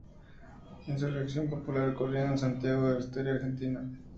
Insurrección popular ocurrida en Santiago del Estero, Argentina.